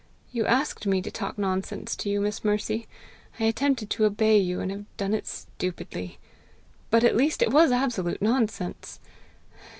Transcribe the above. "You asked me to talk nonsense to you, Miss Mercy! I attempted to obey you, and have done it stupidly. But at least it was absolute nonsense!